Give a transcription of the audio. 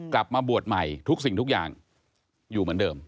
กลับมาบวชใหม่ทุกสิ่งทุกอย่างอยู่เหมือนเดิม